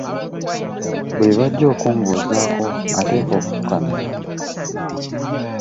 Buli lw'ajja okumbuuzaako ateekwa okufukamira.